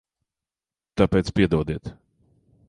Tāpēc piedodiet.